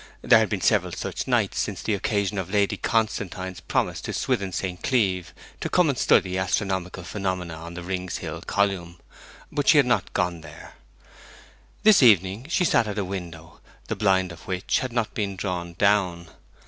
There had been several such nights since the occasion of Lady Constantine's promise to Swithin St. Cleeve to come and study astronomical phenomena on the Rings Hill column; but she had not gone there. This evening she sat at a window, the blind of which had not been drawn down.